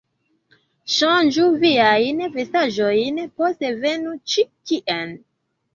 Ŝanĝu viajn vestaĵojn, poste venu ĉi tien